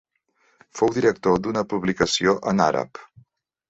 Fou director d'una publicació en àrab.